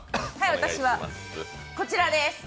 私はこちらです。